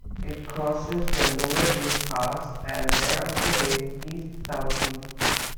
It crosses the Nuwekloof Pass and thereafter heads east-south-east.